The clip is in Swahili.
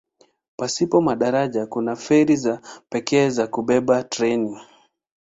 Pasipo madaraja kuna feri za pekee za kubeba treni.